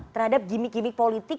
terhadap gimmick gimmick politik